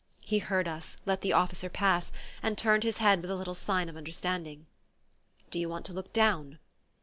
He heard us, let the officer pass, and turned his head with a little sign of understanding. "Do you want to look down?"